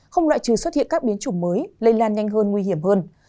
không loại trừ xuất hiện các biến chủng mới lây lan nhanh hơn nguy hiểm hơn